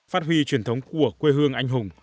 phát huy truyền thống của quê hương anh hùng